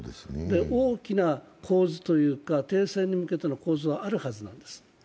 大きな構図というか、停戦へ向けての構図はあるはずです。